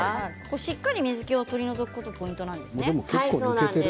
しっかり水けを取り除くことがポイントなんですね。